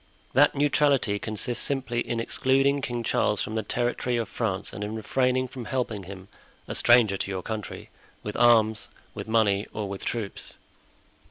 That neutrality consists simply in excluding King Charles from the territory of France and in refraining from helping him—a stranger to your country—with arms, with money or with troops.